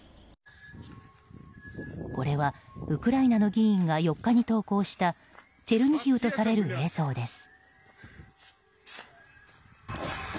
これはウクライナの議員が４日に投稿したチェルニヒウとされる映像です。